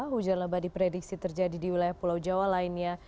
hujan lebat diprediksi terjadi di wilayah pulau jawa lainnya